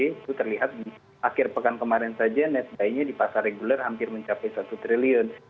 itu terlihat di akhir pekan kemarin saja netbuy nya di pasar reguler hampir mencapai satu triliun